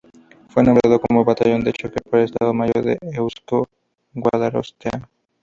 Fue nombrado como batallón de choque por el Estado Mayor del Euzko Gudarostea.